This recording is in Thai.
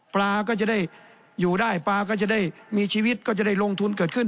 ปลาก็จะได้อยู่ได้ปลาก็จะได้มีชีวิตก็จะได้ลงทุนเกิดขึ้น